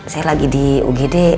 saya lagi di ugd